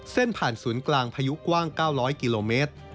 เส้นผ่านศูนย์กลางพายุกว้าง๙๐๐กิโลเมตร